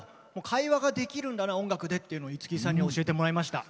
会話ができるんだな音楽でっていうのを五木さんには教えてもらいました。